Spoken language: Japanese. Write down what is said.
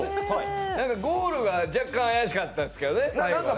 ゴールが若干怪しかったですけどね、最後ね。